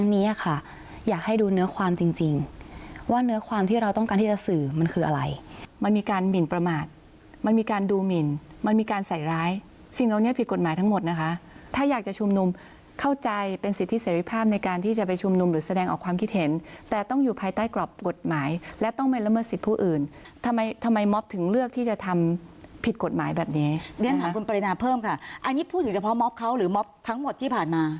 สิ่งเหล่านี้ผิดกฎหมายทั้งหมดนะคะถ้าอยากจะชุมนุมเข้าใจเป็นสิทธิเสร็จภาพในการที่จะไปชุมนุมหรือแสดงออกความคิดเห็นแต่ต้องอยู่ภายใต้กรอบกฎหมายและต้องไม่ละเมิดสิทธิ์ผู้อื่นทำไมมอบถึงเลือกที่จะทำผิดกฎหมายแบบนี้เรียนถามคุณปรินาเพิ่มค่ะอันนี้พูดถึงเฉพาะมอบเขาหรือมอบทั้งหมดที่ผ